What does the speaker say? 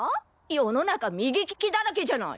世の中右利きだらけじゃない！